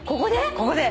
ここで！？